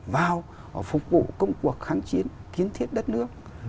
vào phục vụ công cuộc kháng chiến kiến thiết đất nước